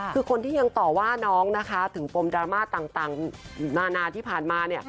คือคนที่ยังต่อว่าน้องนะคะถึงปมดราม่าต่างนานาที่ผ่านมาเนี่ย